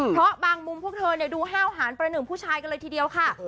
เพราะบางมุมพวกเธอดูห้าวหารประหนึ่งผู้ชายกันเลยทีเดียวค่ะ